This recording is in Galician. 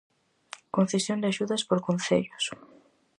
Concesión de axudas por concellos: